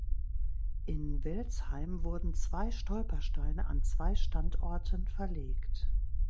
In Welzheim wurden zwei Stolpersteine an zwei Standorten verlegt.